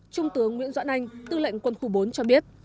trung tướng nguyễn doãn anh tư lệnh quân khu bốn cho biết